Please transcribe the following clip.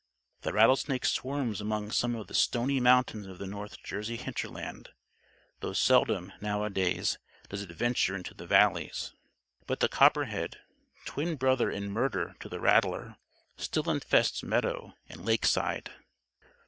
(The rattlesnake swarms among some of the stony mountains of the North Jersey hinterland; though seldom, nowadays, does it venture into the valleys. But the copperhead twin brother in murder to the rattler still infests meadow and lakeside.